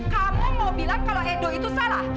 kamu mau bilang kalau endo itu salah